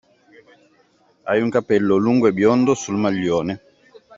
Hai un capello lungo e biondo sul maglione!